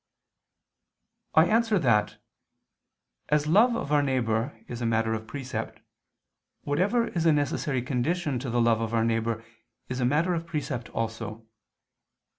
I answer that, As love of our neighbor is a matter of precept, whatever is a necessary condition to the love of our neighbor is a matter of precept also.